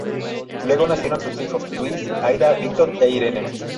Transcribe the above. Luego nacieron sus hijos Luis, Aida, Víctor e Irene.